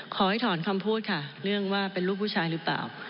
ขอให้ถอนคำพูดค่ะเรื่องว่าเป็นลูกผู้ชายหรือเปล่า